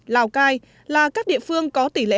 lào cai là các địa phương có tỷ lệ